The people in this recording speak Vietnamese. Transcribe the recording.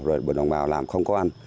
rồi đồng bào làm không có ăn